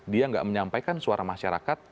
dia nggak menyampaikan suara masyarakat